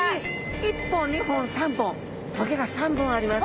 １本２本３本棘が３本あります。